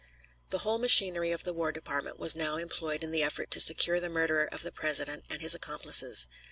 The whole machinery of the War Department was now employed in the effort to secure the murderer of the President and his accomplices.